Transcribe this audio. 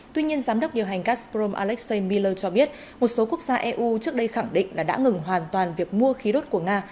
tuy nhiên giám đốc điều hành gazprom alexei miller cho biết một số quốc gia eu trước đây khẳng định là đã ngừng hoàn toàn việc mua khí đốt của nga